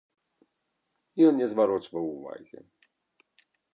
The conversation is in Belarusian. Ён не зварочваў увагі.